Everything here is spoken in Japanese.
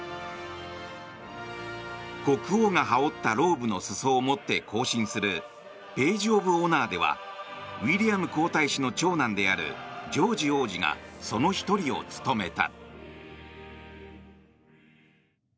国王が羽織ったローブの裾を持って行進するページ・オブ・オナーではウィリアム皇太子の長男であるジョージ王子がその１人を務めた。